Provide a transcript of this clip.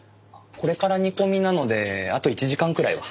これから煮込みなのであと１時間くらいは。